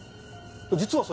「実はさ